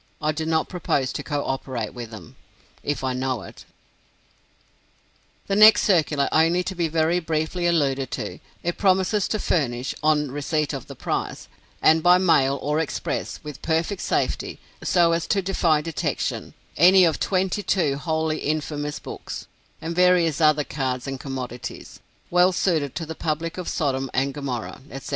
I do not propose to cooperate with them, if I know it. The next is a circular only to be very briefly alluded to: it promises to furnish, on receipt of the price, and "by mail or express, with perfect safety, so as to defy detection," any of twenty two wholly infamous books, and various other cards and commodities, well suited to the public of Sodom and Gomorrah, etc.